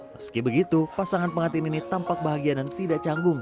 meski begitu pasangan pengantin ini tampak bahagia dan tidak canggung